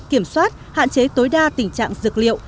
kiểm soát hạn chế tối đa tình trạng dược liệu